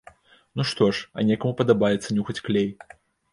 Ну што ж, а некаму падабаецца нюхаць клей.